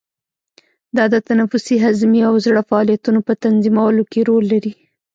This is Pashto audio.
دا د تنفسي، هضمي او زړه فعالیتونو په تنظیمولو کې رول لري.